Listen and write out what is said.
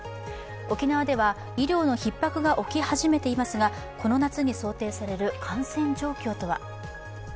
沖縄では医療のひっ迫が起き始めていますがこの夏に想定される感染状況とは。